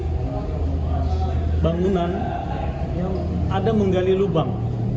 di mana bangunan yang ada menggali lubang